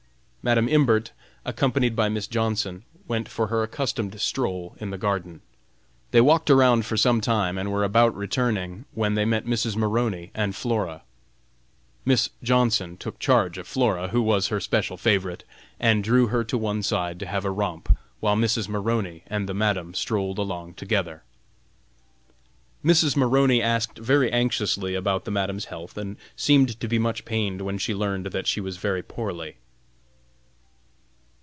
Madam Imbert, accompanied by Miss Johnson, went for her accustomed stroll in the garden. They walked around for some time and were about returning when they met Mrs. Maroney and Flora. Miss Johnson took charge of Flora, who was her special favorite, and drew her to one side to have a romp while Mrs. Maroney and the Madam strolled along together. Mrs. Maroney asked very anxiously about the Madam's health and seemed to be much pained when she learned that she was very poorly.